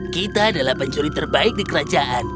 kita adalah pencuri terbaik di kerajaan